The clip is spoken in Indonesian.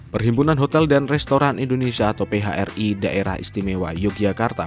perhimpunan hotel dan restoran indonesia atau phri daerah istimewa yogyakarta